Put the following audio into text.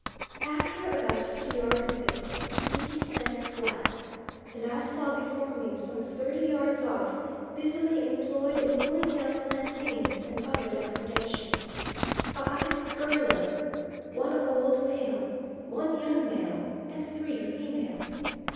After about fifty yards of this, Wiki sank flat, and I saw before me some thirty yards off, busily employed in pulling down plantains, and other depredations, five gorillas: one old male, one young male, and three females.